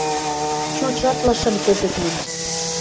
Чуч ытлышым кӹзӹт мӹнь